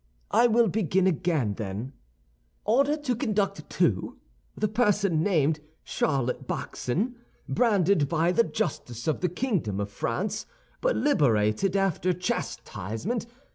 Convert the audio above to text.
I will begin again, then: "'Order to conduct to—the person named Charlotte Backson, branded by the justice of the kingdom of France, but liberated after chastisement.